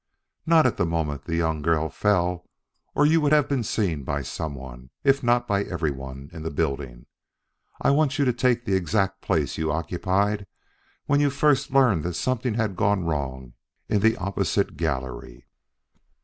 Not at the moment the young girl fell, or you would have been seen by some one, if not by everyone, in the building. I want you to take the exact place you occupied when you first learned that something had gone wrong in the opposite gallery."